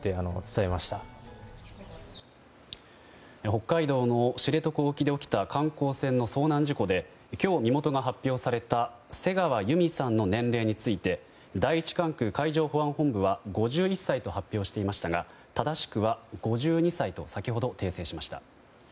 北海道の知床沖で起きた観光船の遭難事故で今日、身元が発表された瀬川由美さんの年齢について第１管区海上保安本部は５１歳と発表していましたが正しくは５２歳と先ほど訂正しました。